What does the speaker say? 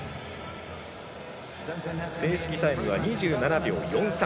正式タイムは２７秒４３。